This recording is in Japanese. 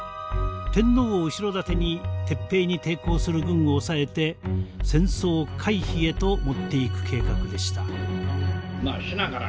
天皇を後ろ盾に撤兵に抵抗する軍を抑えて戦争回避へと持っていく計画でした。